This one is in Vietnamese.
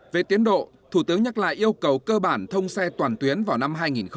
về tiến độ thủ tướng nhắc lại yêu cầu cơ bản thông xe toàn tuyến vào năm hai nghìn hai mươi